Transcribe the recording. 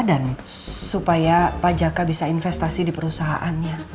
dan supaya pak jaka bisa investasi di perusahanya